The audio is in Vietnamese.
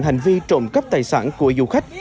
hành vi trộm cắp tài sản của du khách